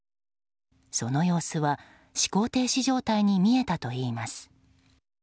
その様子は思考停止状態に見えたといいます。